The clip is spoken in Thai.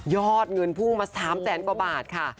อดเงินพุ่งมา๓แสนกว่าบาทค่ะ